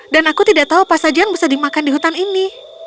dan aku tidak tahu apa saja yang bisa dimakan di hutan ini